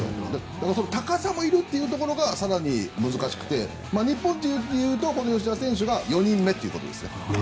高さもいるというところが更に難しくて、日本人でいうと吉田選手が４人目ということです。